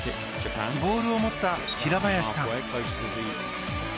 ボールを持った平林さん。